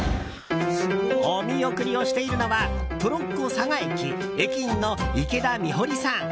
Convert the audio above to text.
お見送りをしているのはトロッコ嵯峨駅駅員の池田美穂里さん。